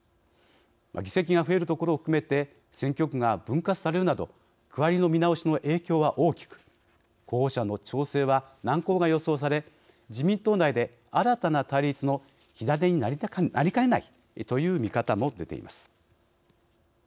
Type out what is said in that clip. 議席が増えるところを含めて選挙区が分割されるなど区割りの見直しの影響は大きく候補者の調整は難航が予想され自民党内で新たな対立の火種になりかねないという見方も出ています。